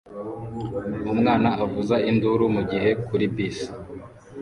Umwana avuza induru mugihe kuri bus